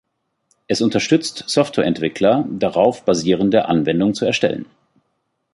Es unterstützt Softwareentwickler, darauf basierende Anwendungen zu erstellen.